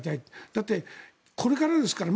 だって、これからですから。